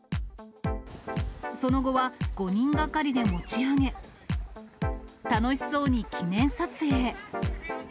その後は、５人がかりで持ち上げ、楽しそうに記念撮影。